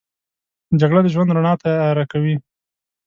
جګړه د ژوند رڼا تیاره کوي